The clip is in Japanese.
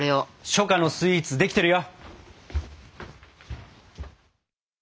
初夏のスイーツできてるよ！